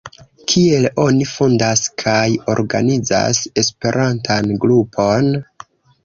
Kiel oni fondas kaj organizas Esperantan Grupon?